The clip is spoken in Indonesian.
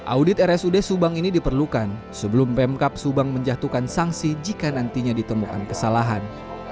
audit rsud subang ini diperlukan sebelum pemkap subang menjatuhkan sanksi jika nantinya ditemukan kesalahan